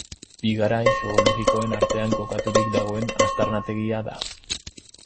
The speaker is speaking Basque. Bi garai geologikoen artean kokaturik dagoen aztarnategia da.